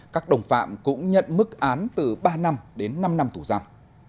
các đồng phạm cũng nhận mức án từ ba năm đến năm năm tù giam